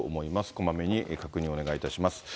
こまめに確認お願いいたします。